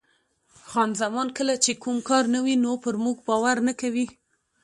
خان زمان: کله چې کوم کار نه وي نو پر موږ باور نه کوي.